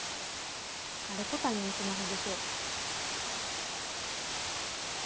あれ小谷のスマホでしょ？